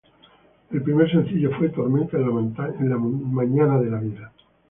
El primer sencillo fue "Tormenta en la mañana de la vida".